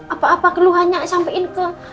apa apa keluhannya aku sampein ke mbak mici ya